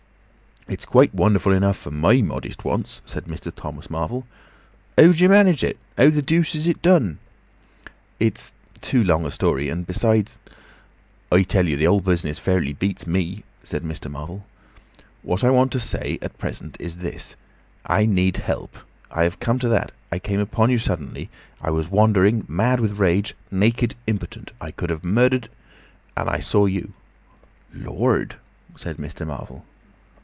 "It's quite wonderful enough for my modest wants," said Mr. Thomas Marvel. "Howjer manage it! How the dooce is it done?" "It's too long a story. And besides—" "I tell you, the whole business fairly beats me," said Mr. Marvel. "What I want to say at present is this: I need help. I have come to that—I came upon you suddenly. I was wandering, mad with rage, naked, impotent. I could have murdered. And I saw you—" "Lord!" said Mr. Marvel.